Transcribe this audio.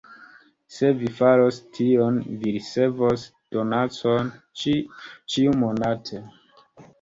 Se vi faros tion, vi ricevos donacon ĉiu-monate.